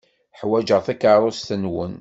Ḥwajeɣ takeṛṛust-nwen.